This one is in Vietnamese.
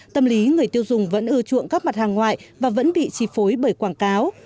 tâm lý người tiêu dùng vẫn ưa chuộng các mặt hàng ngoại và vẫn bị chi phối bởi quảng cáo